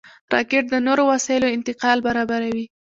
راکټ د نورو وسایلو انتقال برابروي